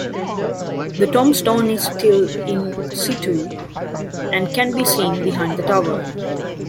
The tombstone is still "in situ" and can be seen behind the tower.